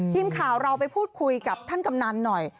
ทีมข่าวเราไปพูดคุยกับท่านกำนันหน่อย